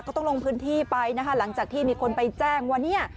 ต้องลงพื้นที่ไปนะคะหลังจากที่มีคนไปแจ้งว่าเนี่ย